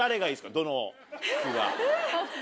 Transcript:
どの服が。